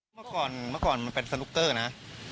เมื่อก่อนมันเป็นสนุกเกอร์นะ